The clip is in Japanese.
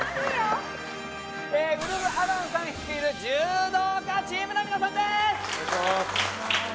ウルフアロンさん率いる柔道家チームの皆さんです！